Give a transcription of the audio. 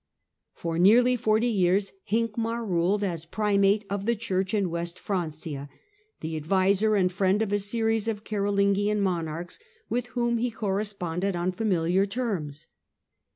For nearly forty years Hincmar ruled as Primate of the Church in West Francia, the adviser and friend of a series of Carolingian monarchs, with whom he corre sponded on familiar terms.